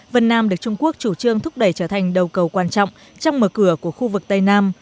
vân nam được trung quốc chủ trương thúc đẩy trở thành đầu cầu quan trọng trong mở cửa của khu vực tây nam